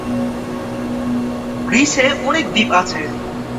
গ্রীসে অনেক দ্বীপ আছে।